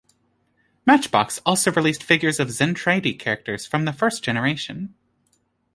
Matchbox also released figures of Zentraedi characters from the first generation.